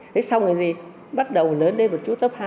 thế xong rồi gì bắt đầu lớn lên một chút tấp hai